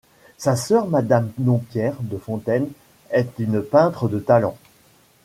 Sa sœur Madame Dompierre de Fontaine est une peintre de talent.